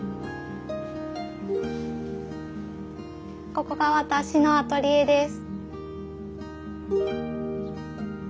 ここが私のアトリエです。